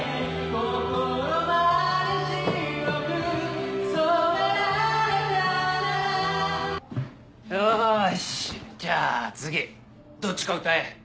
心まで白く染められたならよしじゃあ次どっちか歌え。